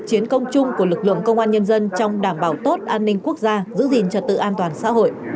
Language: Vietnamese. chiến công chung của lực lượng công an nhân dân trong đảm bảo tốt an ninh quốc gia giữ gìn trật tự an toàn xã hội